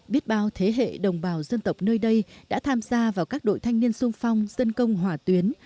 biết bao thế hệ đồng bào dân tộc nơi đây đã tham gia vào các đội thanh niên sung phong dân công hỏa tuyến